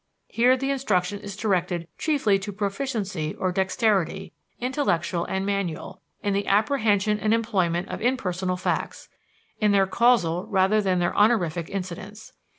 Here the instruction is directed chiefly to proficiency or dexterity, intellectual and manual, in the apprehension and employment of impersonal facts, in their casual rather than in their honorific incidence.